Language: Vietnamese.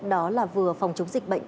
đó là vừa phòng chống dịch bệnh